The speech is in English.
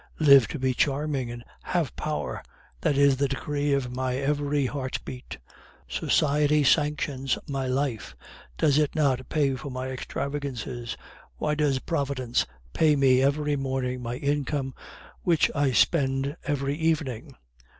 Live to be charming and have power, that is the decree of my every heartbeat. Society sanctions my life; does it not pay for my extravagances? Why does Providence pay me every morning my income, which I spend every evening?